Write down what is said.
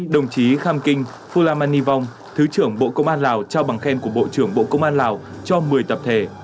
đồng chí kham kinh fulamani vong thứ trưởng bộ công an lào trao bằng khen của bộ trưởng bộ công an lào cho một mươi tập thể